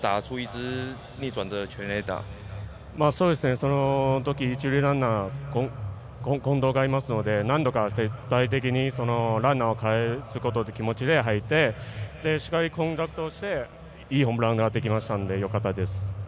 そのとき一塁ランナー近藤がいますので何度か絶対的にランナーをかえすことという気持ちで入っていいホームランができましたのでよかったです。